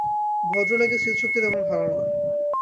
ভদ্রলোকের স্মৃতিশক্তি তেমন ভালো না।